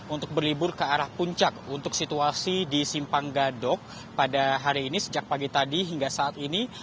untuk berlibur ke arah puncak untuk situasi di simpang gadok pada hari ini sejak pagi tadi hingga saat ini